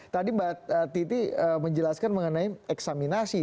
tadi mbak titi menjelaskan mengenai eksaminasi